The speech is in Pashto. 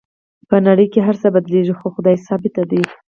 په نړۍ کې هر څه بدلیږي خو خدای ثابت دی